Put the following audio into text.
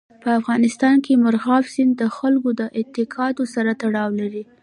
په افغانستان کې مورغاب سیند د خلکو د اعتقاداتو سره تړاو لري.